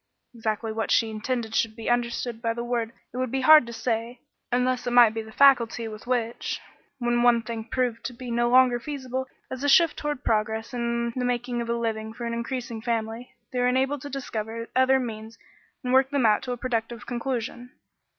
Exactly what she intended should be understood by the word it would be hard to say, unless it might be the faculty with which, when one thing proved to be no longer feasible as a shift toward progress and the making of a living for an increasing family, they were enabled to discover other means and work them out to a productive conclusion.